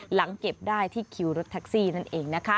หลังเก็บได้ที่คิวรถแท็กซี่นั่นเองนะคะ